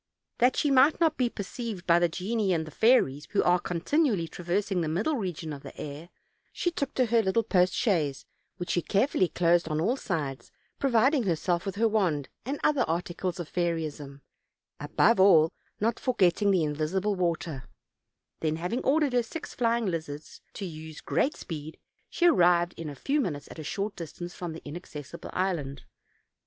That she might not be per ceived by the genii and fairies, who are contin ually traversing trie middle region of the air, she took to her lit tle post chaise, which she carefully closed on all sides, providing herself with her wand and other articles of fairyism, above all not forgetting the invisible water; then, having ordered her six fly ing lizards to use 'great speed,, she ar rived in a few minutes at a short distance from the inaccessible island.